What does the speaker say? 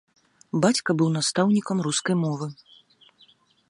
Бацька быў настаўнікам рускай мовы.